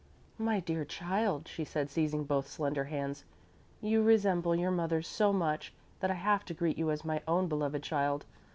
"My dear child," she said, seizing both slender hands, "you resemble your mother so much that I have to greet you as my own beloved child.